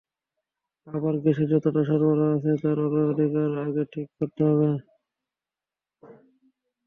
আবার গ্যাসের যতটা সরবরাহ আছে, তার অগ্রাধিকার আগে ঠিক করতে হবে।